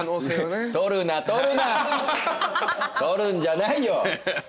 撮るんじゃないよ！